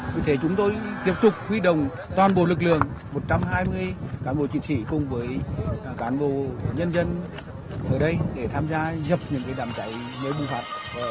vì thế chúng tôi tiếp tục huy động toàn bộ lực lượng một trăm hai mươi cán bộ chiến sĩ cùng với cán bộ nhân dân ở đây để tham gia dập những đám cháy nếu bùng phát